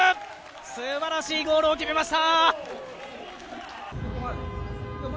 すばらしいゴールを決めました。